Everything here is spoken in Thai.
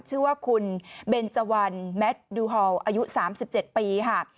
ชื่อว่าคุณเบนเจวันแมทดูฮอลอายุ๓๗ปีค่ะ